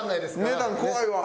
値段怖いわ。